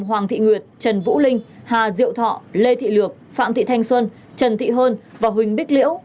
hoàng thị nguyệt trần vũ linh hà diệu thọ lê thị lược phạm thị thanh xuân trần thị hơn và huỳnh bích liễu